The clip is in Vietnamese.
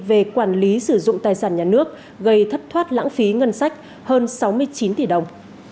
về quản lý sử dụng tài sản nhà nước gây thất thoát lãng phí ngân sách hơn sáu mươi chín tỷ đồng